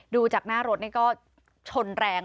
ดูจากหน้ารถนี่ก็ชนแรง